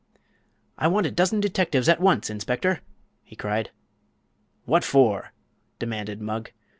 "I want a dozen detectives, at once, inspector!" he cried. "What for?" demanded Mugg.